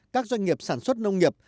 các doanh nghiệp sản xuất nông nghiệp